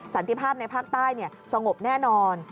สันติภาพในภาคใต้สงบแน่นอน